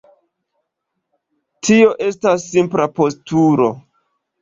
Tio estas simpla postulo.